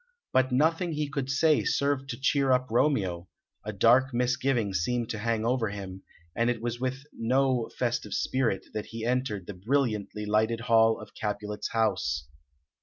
But nothing he could say served to cheer up Romeo; a dark misgiving seemed to hang over him, and it was with no festive spirit that he entered the brilliantly lighted hall of Capulet's house.